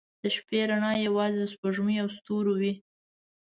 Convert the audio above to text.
• د شپې رڼا یوازې د سپوږمۍ او ستورو وي.